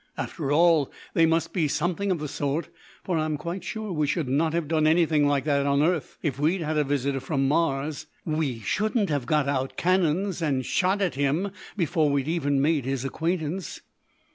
After all they must be something of the sort, for I'm quite sure we should not have done anything like that on earth if we'd had a visitor from Mars. We shouldn't have got out cannons and shot at him before we'd even made his acquaintance.